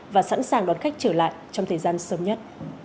và sẵn sàng đón khách trở lại trong thời gian sớm nhất